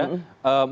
mana lebih besar